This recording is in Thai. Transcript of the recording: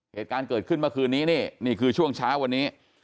เหตุการณ์เกิดขึ้นเมื่อคืนนี้นี่นี่คือช่วงเช้าวันนี้